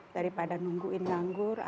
daripada nungguin langgur